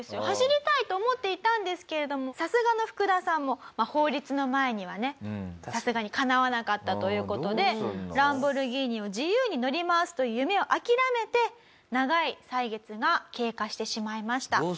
走りたいと思っていたんですけれどもさすがのフクダさんも法律の前にはねさすがにかなわなかったという事でランボルギーニを自由に乗り回すという夢を諦めて長い歳月が経過してしまいました。